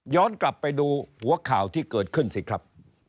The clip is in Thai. กลับไปดูหัวข่าวที่เกิดขึ้นสิครับ